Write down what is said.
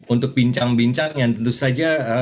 untuk bincang bincang yang tentu saja